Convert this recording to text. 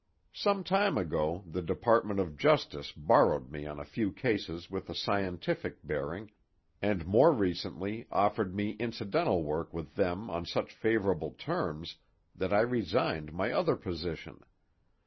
Some time ago the Department of Justice borrowed me on a few cases with a scientific bearing, and more recently offered me incidental work with them on such favorable terms that I resigned my other position.